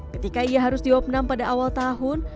ketika ia harus diopnam pada awal tahun